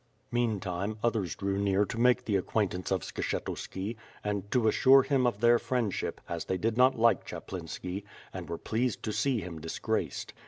Meantime, others drew near to make the acquaintance of Skshetuski, and to assure him of their friendship, as they did not like Chaplinski, and were pleased to see him disgraced.